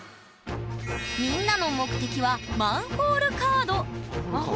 みんなの目的はマンホールカード？